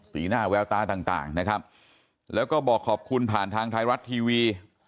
หน้าแววตาต่างนะครับแล้วก็บอกขอบคุณผ่านทางไทยรัฐทีวี